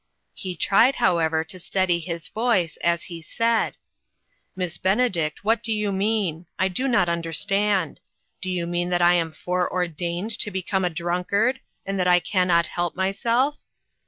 He tried, how ever, to steady his voice as he said: " Miss Benedict, what do you mean ? I do not understand. Do you mean that I ONE OF THE VICTIMS, 32$ am foreordained to become a drunkard, and that I can not help myself?"